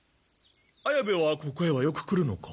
綾部はここへはよく来るのか？